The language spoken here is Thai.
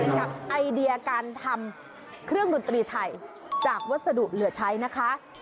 จากไอเดียการทำเครื่องดนตรีไทยจากวัสดุเหลือใช้นะคะ